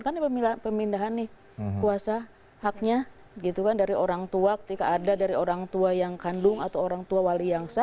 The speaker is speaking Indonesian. kan ini pemindahan nih kuasa haknya gitu kan dari orang tua ketika ada dari orang tua yang kandung atau orang tua wali yang sah